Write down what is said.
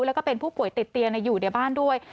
แล้วก็เป็นผู้ป่วยติดเตียงอยู่ในบ้านด้วย